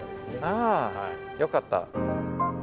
ああよかった。